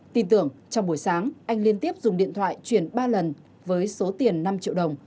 tin tưởng trong buổi sáng anh liên tiếp dùng điện thoại chuyển ba lần với số tiền năm triệu đồng